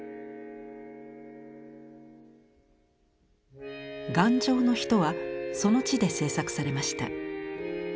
「岩上の人」はその地で制作されました。